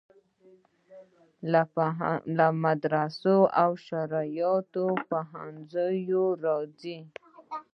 له مدرسو او شرعیاتو پوهنځیو راځي.